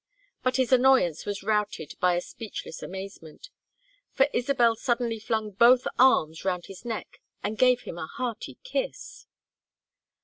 But his annoyance was routed by a speechless amazement, for Isabel suddenly flung both arms round his neck and gave him a hearty kiss.